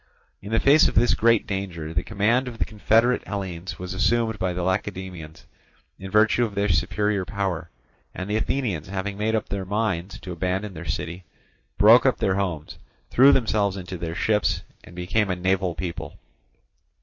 In the face of this great danger, the command of the confederate Hellenes was assumed by the Lacedaemonians in virtue of their superior power; and the Athenians, having made up their minds to abandon their city, broke up their homes, threw themselves into their ships, and became a naval people.